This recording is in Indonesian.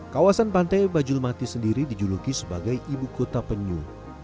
kawasan pantai bajulmati sendiri dijuluki sebagai ibu kota penyu